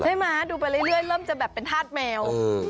ม้าดูไปเรื่อยเริ่มจะแบบเป็นธาตุแมว